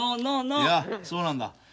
いやそうなんだ。